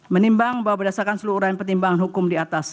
menimbang bahwa berdasarkan seluruh uraian pertimbangan hukum di atas